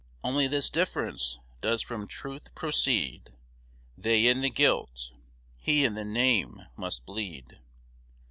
Only this difference does from truth proceed: They in the guilt, he in the name must bleed.